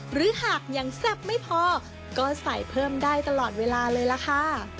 หรือหากยังแซ่บไม่พอก็ใส่เพิ่มได้ตลอดเวลาเลยล่ะค่ะ